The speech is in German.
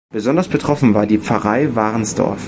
Besonders betroffen war die Pfarrei Warnsdorf.